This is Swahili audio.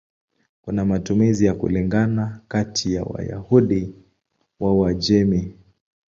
Kuna matumizi ya kulingana kati ya Wayahudi wa Uajemi.